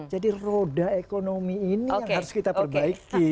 jadi roda ekonomi ini yang harus kita perbaiki